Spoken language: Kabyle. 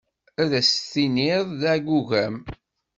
Ad as-tiniḍ d agugam.